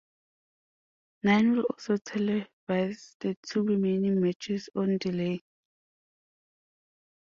Nine will also televise the two remaining matches on delay.